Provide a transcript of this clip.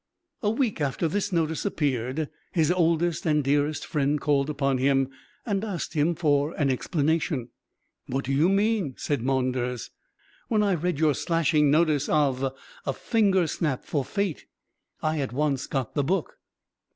A week after this notice appeared, his oldest and dearest friend called upon him and asked him for an explanation. "What do you mean?" said Maunders. "When I read your slashing notice of 'A Fingersnap for Fate,' I at once got the book."